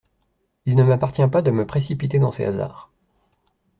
Il ne m'appartient pas de me précipiter dans ces hasards.